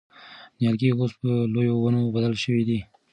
نیالګي اوس په لویو ونو بدل شوي دي.